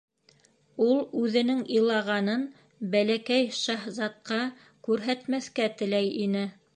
Ул үҙенең илағанын Бәләкәй шаһзатҡа күрһәтмәҫкә теләй ине.